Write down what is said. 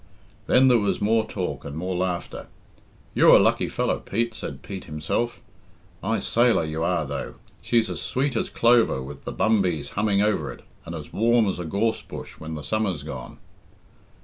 Then there was more talk and more laughter. "You're a lucky fellow, Pete," said Pete himself. "My sailor, you are, though. She's as sweet as clover with the bumbees humming over it, and as warm as a gorse bush when the summer's gone."